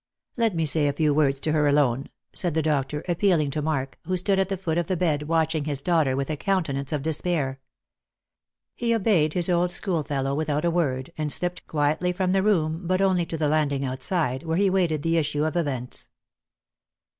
" Let me say a few words to her alone," said the doctor, appealing to Mark, who stood at the foot of the bed watching his daughter with a countenance of despair. He obeyed his old schoolfellow without a word, and slipped quietly from the room, but only to the landing outside, where he waited the issue of events.